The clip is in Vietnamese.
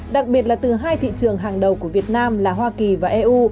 đặc biệt là từ hai thị trường hàng đầu của việt nam là hoa kỳ và eu